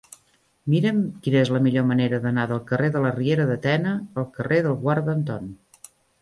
Mira'm quina és la millor manera d'anar del carrer de la Riera de Tena al carrer del Guarda Anton.